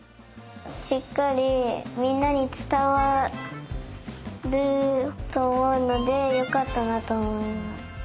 しっかりみんなにつたわるとおもうのでよかったなとおもいます。